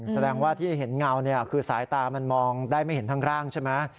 แสดงว่าที่เห็นเงาเนี่ยคือสายตามันมองได้ไม่เห็นทั้งร่างใช่ไหม